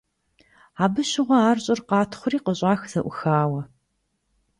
Абы щыгъуэ ар щӀыр къратхъури къыщӀах зэӀухауэ.